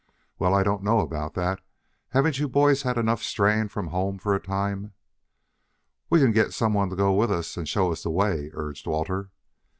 "Well, I don't know about that. Haven't you boys had enough straying from home for a time?" "We can get some one to go with us and show us the way," urged Walter.